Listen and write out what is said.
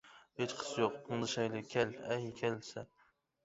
ھېچقىسى يوق مۇڭدىشايلى كەل، ئەي كەل، سەن.